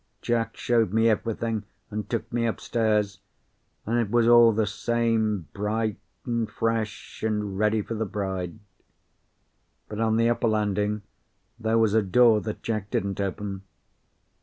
Jack showed me everything, and took me upstairs, and it was all the same: bright and fresh and ready for the bride. But on the upper landing there was a door that Jack didn't open.